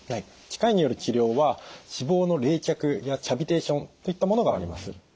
機械による治療は脂肪の冷却やキャビテーションといったものがあります。